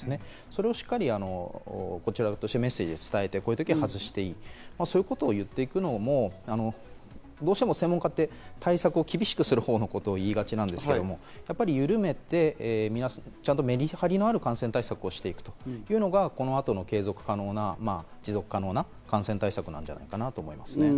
それをしっかりこちら側としてメッセージを伝えて、こういうときは外していい、そういうことを言っていくのも、どうしても専門家って対策を厳しくするほうのことを言いがちなんですけど、やっぱりゆるめてメリハリのある感染対策をしていくというのが、この後の継続可能な、持続可能な感染対策なじゃあ